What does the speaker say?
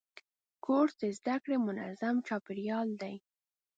کورس د زده کړې منظم چاپېریال دی.